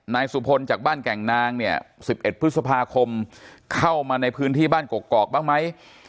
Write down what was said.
นายสุพลจากบ้านแก่งนางเนี่ย๑๑พฤษภาคมเข้ามาในพื้นที่บ้านกกอกบ้างไหม